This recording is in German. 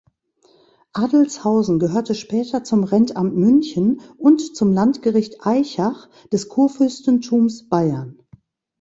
Adelzhausen gehörte später zum Rentamt München und zum Landgericht Aichach des Kurfürstentums Bayern.